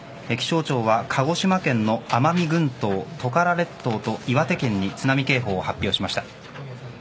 気象庁は鹿児島県の奄美群島、トカラ列島と岩手県に津波警報を発表しました。